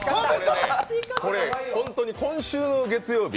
これ、本当に今週の月曜日